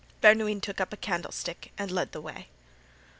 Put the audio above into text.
Bernouin took up a candlestick and led the way.